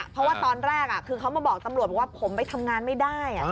เพราะว่าตอนแรกคือเขามาบอกตำรวจบอกว่าผมไปทำงานไม่ได้